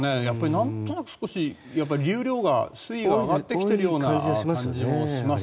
なんとなく少し流量が水位が上がってきている感じもします。